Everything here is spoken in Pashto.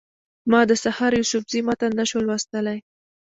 ما د سحر یوسفزي متن نه شو لوستلی.